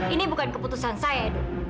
ini bukan keputusan saya itu